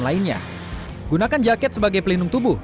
selain itu pastikan menggunakan jaket sebagai pelindung tubuh